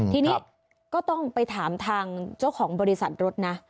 ทีนี้ก็ต้องไปถามทางเจ้าของบริษัทรถนะ